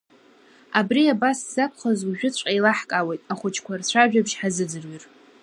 Абри абас закәхаз уажәыҵәҟьа еилаҳкаауеит, ахәыҷқәа рцәажәабжь ҳаазыӡырҩыр.